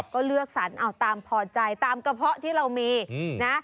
ก็เลือกสรรเอาตามพอใจตามกระเพาะที่เรามีนะ